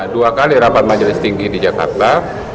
dua kali rapat majelis tinggi di jakarta